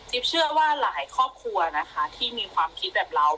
เชื่อว่าหลายครอบครัวนะคะที่มีความคิดแบบเรา